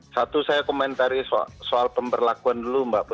satu saya komentari soal pemberlakuan dulu mbak